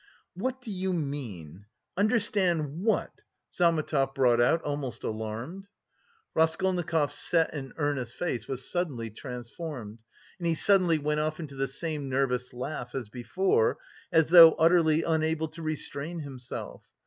"What do you mean? Understand... what?" Zametov brought out, almost alarmed. Raskolnikov's set and earnest face was suddenly transformed, and he suddenly went off into the same nervous laugh as before, as though utterly unable to restrain himself.